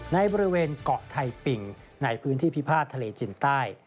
ในบริเวณเกาะไทยปิ่งในพื้นที่พิพาททะเลจินใต้